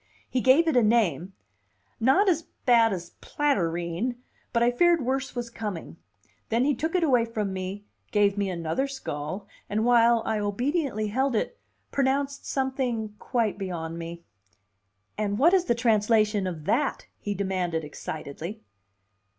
He gave it a name, not as bad as platyrrhine, but I feared worse was coming; then he took it away from me, gave me another skull, and while I obediently held it, pronounced something quite beyond me. "And what is the translation of that?" he demanded excitedly.